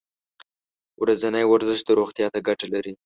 ورځنی ورزش روغتیا ته ګټه لري.